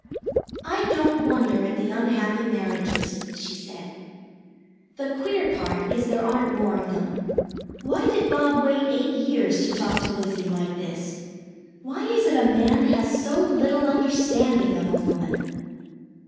"I don't wonder at the unhappy marriages," she said. "The queer part is there aren't more of them. Why did Bob wait eight years to talk to Lizzie like this? Why is it a man has so little understanding of a woman?"